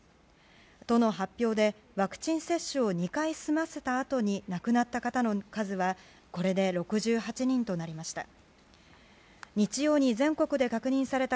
都の発表で、ワクチン接種を２回済ませたあとに亡くなった方の数はこれで６８人となりました。